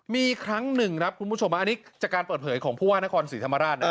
มีครั้งหนึ่งครับคุณผู้ชมอันนี้จากการเปิดเผยของผู้ว่านครศรีธรรมราชนะ